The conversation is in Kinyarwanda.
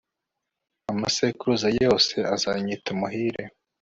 amasekuruza yose azanyita umuhire